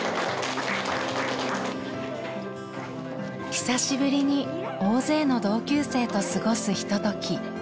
久しぶりに大勢の同級生と過ごすひととき。